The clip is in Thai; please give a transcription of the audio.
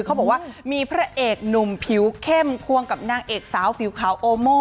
เขาบอกว่ามีพระเอกหนุ่มผิวเข้มควงกับนางเอกสาวผิวขาวโอโม่